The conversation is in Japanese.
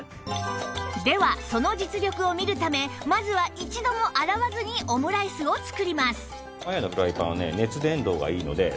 ではその実力を見るためまずは一度も洗わずにオムライスを作ります